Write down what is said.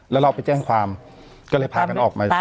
แล้วเราไปแจ้งความก็เลยพากันออกมา